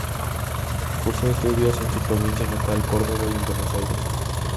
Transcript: Cursó estudios en su provincia natal, Córdoba, y en Buenos Aires.